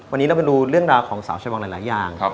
วันนี้เราไปดูเรื่องราวของสาวชะวังหลายอย่าง